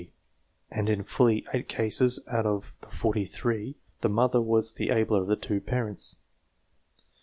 ; and in fully eight cases out of the forty three, the mother was the abler of the two parents.